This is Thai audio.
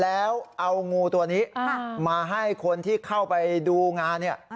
แล้วเอางูตัวนี้มาให้คนที่เข้าไปดูงานเนี่ย